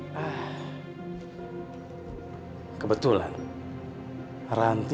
yang terbelepaskan sekarang ini